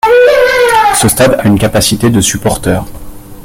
Ce stade a une capacité de supporteurs.